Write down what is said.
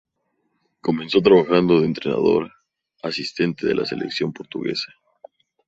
Comenzó trabajando de entrenador asistente de la selección portuguesa.